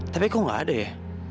tapi kok gak ada ya